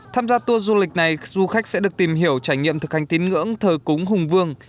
tham gia tour du lịch này du khách sẽ được tìm hiểu trải nghiệm thực hành tín ngưỡng thờ cúng hùng vương